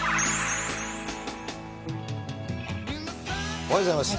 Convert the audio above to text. おはようございます。